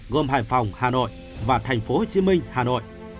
gồm hải phòng hà nội và tp hcm hà nội